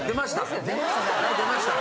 出ました。